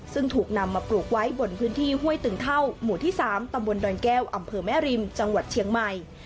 ซึ่งถูกนำมาปลูกไว้บนพื้นที่ห้วยตึงเท่าหมู่ที่๓ตำบลดอนแก้วอำเภอแม่ริมจังหวัดเชียงใหม่